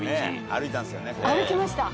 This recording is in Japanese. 歩きました。